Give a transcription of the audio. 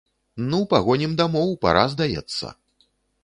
Ну, пагонім дамоў, пара, здаецца.